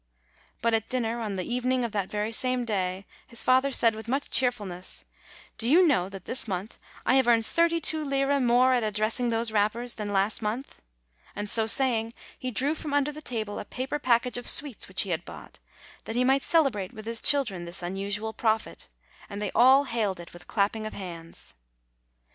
But at dinner, on the evening of that very same day, his father said with much cheerfulness, "Do you know that this month I have earned thirty two lire more at addressing those wrappers than last month!" and so saying, he drew from under the table a paper package of sweets which he had bought, that he might celebrate with his children this unusual profit, and they all hailed it with clapping of hands.